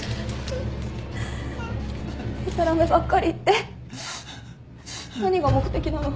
でたらめばっかり言って何が目的なの？